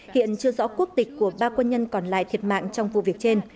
hiện chưa rõ quốc tịch của ba quân nhân còn lại thiệt mạng trong vụ việc trên